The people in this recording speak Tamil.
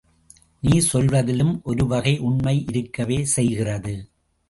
நீ சொல்வதிலும் ஒருவகையில் உண்மை இருக்கவே செய்கிறது.